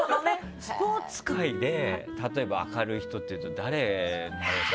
スポーツ界で例えば明るい人っていうと誰になるんですか？